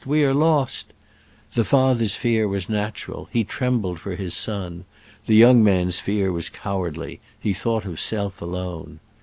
we are lost !" The father s fear was natural — he trembled for his son ; the young man's fear was cowardly ^he thought of self alone.